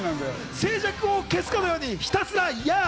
その静寂を消すかのように、ひたすらヤー！